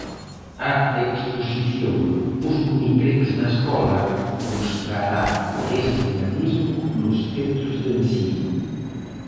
A exposición "Os monicreques na escola" mostrará ese dinamismo nos centros de ensino.